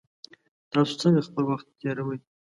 تاسو څنګه خپل وخت تیروئ؟